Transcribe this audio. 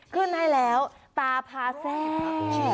ขึ้นให้แล้วตาพาแซ่บ